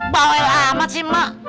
bawel amat sih mbak